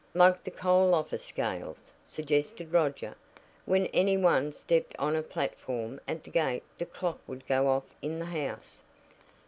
"Like the coal office scales," suggested Roger. "When any one stepped on a platform at the gate the clock would go off in the house."